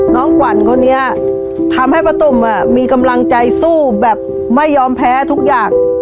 ขวัญคนนี้ทำให้ป้าตุ้มมีกำลังใจสู้แบบไม่ยอมแพ้ทุกอย่าง